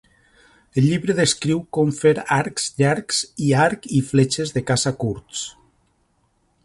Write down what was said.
El llibre descriu com fer arcs llargs i arc i fletxes de caça curts.